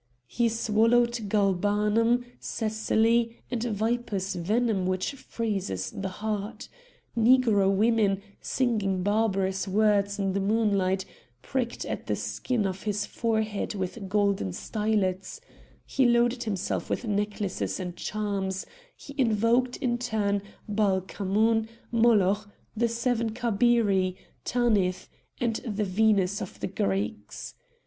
He swallowed galbanum, seseli, and viper's venom which freezes the heart; Negro women, singing barbarous words in the moonlight, pricked the skin of his forehead with golden stylets; he loaded himself with necklaces and charms; he invoked in turn Baal Khamon, Moloch, the seven Kabiri, Tanith, and the Venus of the Greeks.